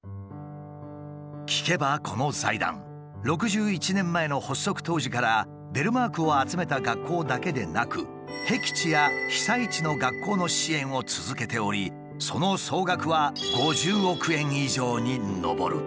聞けばこの財団６１年前の発足当時からベルマークを集めた学校だけでなくへき地や被災地の学校の支援を続けておりその総額は５０億円以上に上る。